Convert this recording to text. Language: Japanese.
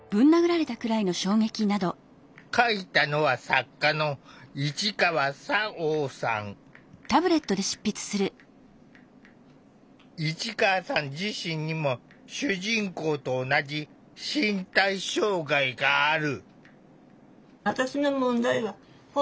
書いたのは市川さん自身にも主人公と同じ身体障害がある。